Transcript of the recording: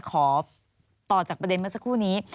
ขอต่อจากประเด็นเมื่อสักครู่นี้